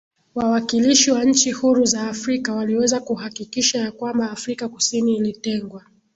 wawakilishi wa nchi huru za Afrika waliweza kuhakikisha ya kwamba Afrika Kusini ilitengwa